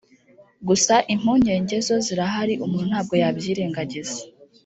gusa impungenge zo zirahari umuntu ntabwo yabyirengagiza»